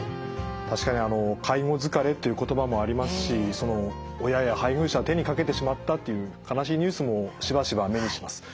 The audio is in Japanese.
確かに「介護疲れ」っていう言葉もありますし親や配偶者を手に掛けてしまったっていう悲しいニュースもしばしば目にします。